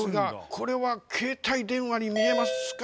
これは携帯電話に見えますか？